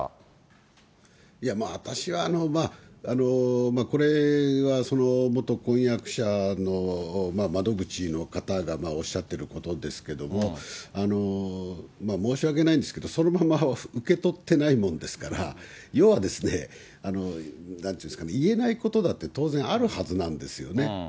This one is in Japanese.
私は、これはその元婚約者の窓口の方がおっしゃってることですけれども、申し訳ないんですけど、そのまま受け取ってないもんですから、要はですね、なんていうんですかね、言えないことだって当然、あるはずなんですよね。